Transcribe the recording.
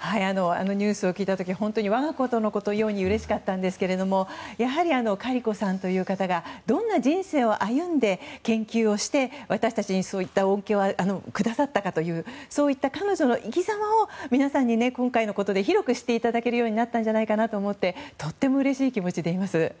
ニュースを聞いた時我がことのようにうれしかったんですけどもやはりカリコさんという方がどんな人生を歩んで研究をして、私たちにそういった恩恵をくださったかという彼女の生きざまを皆さんに今回のことで広く知っていただけるようになったんじゃないかなと思ってとてもうれしい気持ちでいます。